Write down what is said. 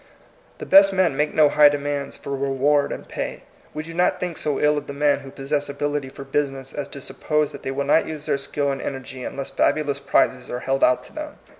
The best men make no high demands for reward and pay. We do not think so ill of the men who pos sess ability for business as to suppose that they will not use their skill and energy unless fabulous prizes are held out to them.